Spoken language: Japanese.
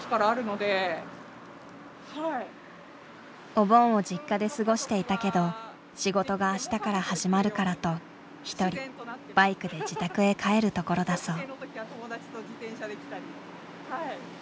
お盆を実家で過ごしていたけど仕事があしたから始まるからと一人バイクで自宅へ帰るところだそう。